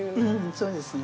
そうですね。